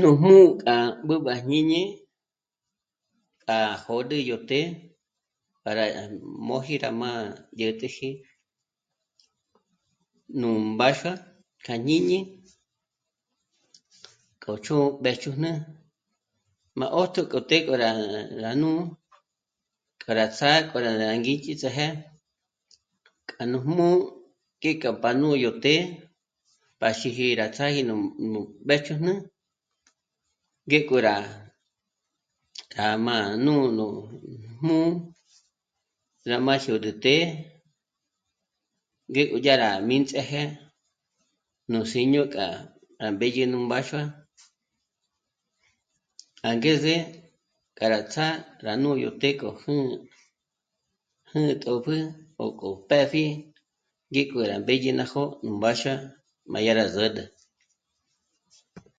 Nú jmū̌'ū k'a b'ǚb'ü à jñíni k'a jôd'i yó të́'ë́ para móji ra má'a dyä̀t'äji nú mbáxua kja jñíni k'o ch'ō̂'ō mbéjchúnü má 'ójt'o k'o të́'ë́ k'a rá nù'u k'a rá ts'á k'a rá ngích'its'áje k'a nú jmū̌'ū ngéka panú yó të́'ë́ pa xîji rá ts'áji nú mbéjchúnü ngéko rá kja má nù'u nú jmū̌'ū rá má xôrü të́'ë́ ngéko dyá rá mí ndzéje nú síño k'a rá mbédye nú mbáxua angeze k'a rá ts'á rá nù'u yó të́'ë́ k'o jü̂'ü tòpjü jókò pë́pji ngíko rá mbédyeji ná jó'o nú mbáxua má dyá rá zǚd'ü